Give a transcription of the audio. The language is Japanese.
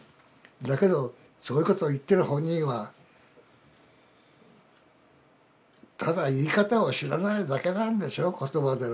だけどそういうこと言ってる本人はただ言い方を知らないだけなんでしょ言葉での。